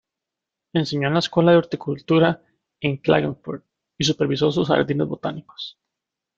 Enseñó en la Escuela de horticultura en Klagenfurt y supervisó sus jardines botánicos.